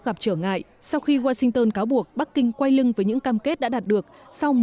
gặp trở ngại sau khi washington cáo buộc bắc kinh quay lưng với những cam kết đã đạt được sau